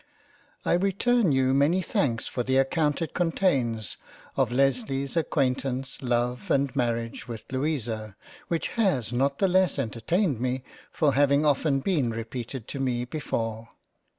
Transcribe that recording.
I return you many thanks for the account it contains of Lesley's acquaint ance, Love and Marriage with Louisa, which has not the less entertained me for having often been repeated to me before.